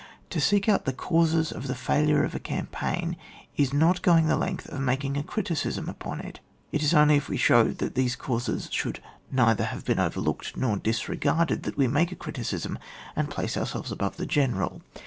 To seek out the causes of the failure of a campaign, is not going the length of making a criticism upon it ; it is only if we show that these causes should neither have been overlooked nor disregarded that we make a criticism and place ourselves above the General.